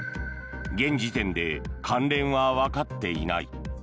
現時点で関連はわかっていない。